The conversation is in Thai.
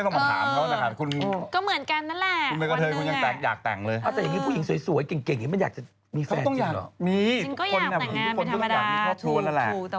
สังขวัญเนี่ยเขาบอกว่าเขายังไม่เลิกนะ